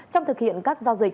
trong thực hiện các giao dịch